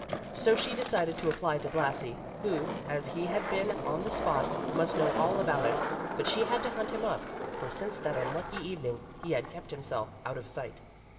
So she decided to apply to Blasi, who, as he had been on the spot, must know all about it. But she had to hunt him up; for since that unlucky evening he had kept himself out of sight.